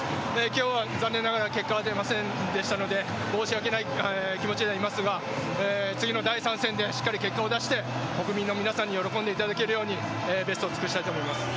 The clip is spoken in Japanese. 今日は残念ながら結果は出ませんでしたので申し訳ない気持ちではいますが次の第３戦でしっかり結果を出して国民の皆さんに喜んでいただけるようにベストを尽くしたいと思います。